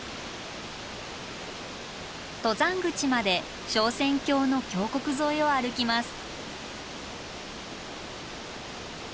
登山口まで昇仙峡の峡谷沿いを歩きます。